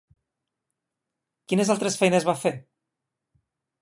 Quines altres feines va fer?